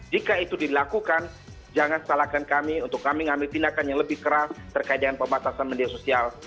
jika itu dilakukan jangan salahkan kami untuk kami mengambil tindakan yang lebih keras terkait dengan pembatasan media sosial